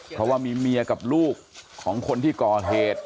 เพราะว่ามีเมียกับลูกของคนที่ก่อเหตุ